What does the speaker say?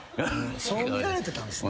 そう見られてたんすね。